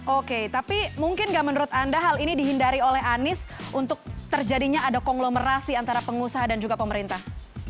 oke tapi mungkin nggak menurut anda hal ini dihindari oleh anies untuk terjadinya ada konglomerasi antara pengusaha dan juga pemerintah